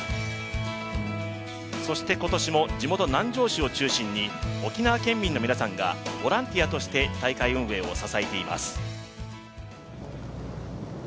そして今年も地元南城市を中心に沖縄県民の皆さんがボランティアとして大会運営を支えています。